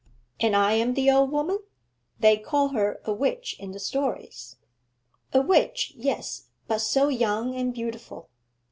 "' 'And I am the old woman. They call her a witch in the stories.' 'A witch, yes; but so young and beautiful.